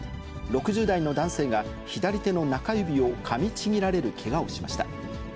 ６０代の男性が左手の中指をかみちぎられるけがをしました。